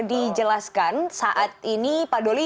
dijelaskan saat ini pak doli